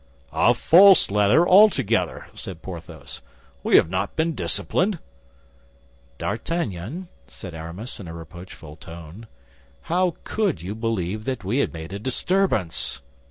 "A false letter altogether," said Porthos, "we have not been disciplined." "D'Artagnan," said Aramis, in a reproachful tone, "how could you believe that we had made a disturbance?"